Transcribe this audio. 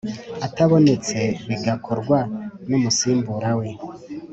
atabonetse bigakorwa n umusimbura we